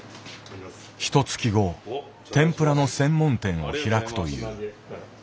ひとつき後天ぷらの専門店を開くという。